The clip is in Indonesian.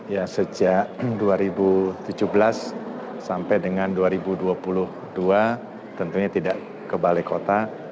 ya sejak dua ribu tujuh belas sampai dengan dua ribu dua puluh dua tentunya tidak ke balai kota